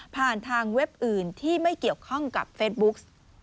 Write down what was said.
ผ่านทางเว็บอื่นที่ไม่เกี่ยวข้องกับเฟซบุ๊ก